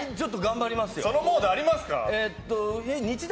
そのモードありますか？